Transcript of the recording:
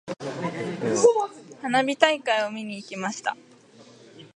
花火大会を見に行きました。